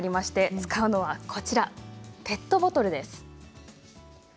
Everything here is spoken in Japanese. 使うのはペットボトルです。